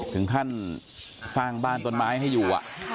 ถึงขั้นสร้างบ้านต้นไม้ให้อยู่